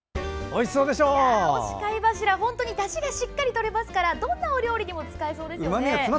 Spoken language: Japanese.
干し貝柱は本当にだしがしっかりとれますからどんなお料理にも使えそうですね。